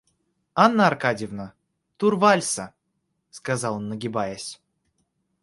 Анна Аркадьевна, тур вальса, — сказал он нагибаясь.